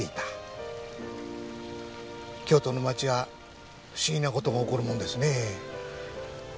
京都の街は不思議な事が起こるもんですねえ。